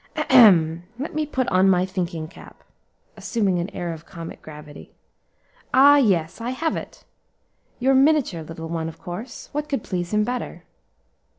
"Ahem! let me put on my thinking cap," assuming an air of comic gravity. "Ah! yes, I have it! your miniature, little one, of course; what could please him better?"